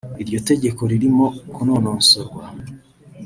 Iryo tegeko ririmo kunonosorwa